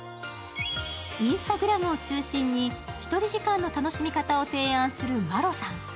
Ｉｎｓｔａｇｒａｍを中心に、一人時間の楽しみ方を提案するまろさん。